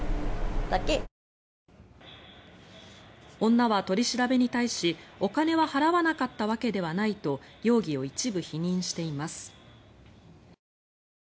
女は取り調べに対し、お金は払わなかったわけではないと容疑を一部否認しています。